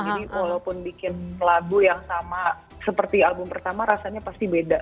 jadi walaupun bikin lagu yang sama seperti album pertama rasanya pasti beda